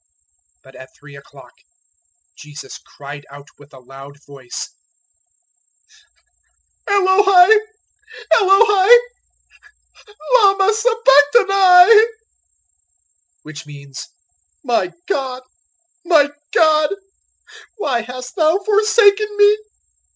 015:034 But at three o'clock Jesus cried out with a loud voice, "Elohi, Elohi, lama sabachthani?" which means, "My God, My God, why hast Thou forsaken me?"